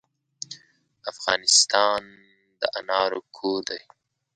افغانستان د انارو کور دی.